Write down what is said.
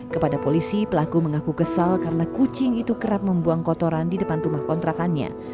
kepada polisi pelaku mengaku kesal karena kucing itu kerap membuang kotoran di depan rumah kontrakannya